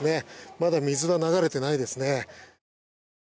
まだ水は流れていないですね。